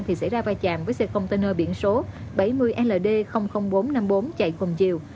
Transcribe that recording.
thì xảy ra vai chạm với xe container biển số bảy mươi ld bốn trăm năm mươi bốn chạy cùng chiều